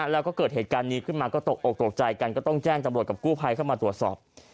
แล้วก็เกิดเหตุการณ์นี้ขึ้นมาก็ตกออกตกใจกันก็ต้องแจ้งจำรวดกับกู้ภัยเข้ามาตรวจสอบ